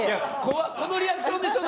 このリアクションでしょ？